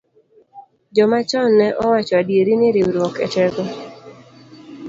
Joma chon ne owacho adieri ni riwruok e teko.